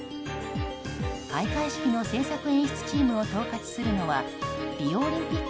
開会式の制作演出チームを統括するのはリオオリンピック